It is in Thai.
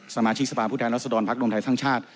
สมาชิกสภาพุทธแทนรัศดรภักดงไทยทั้งชาติ